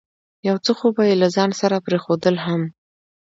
یو څه خو به یې له ځانه سره پرېښودل هم.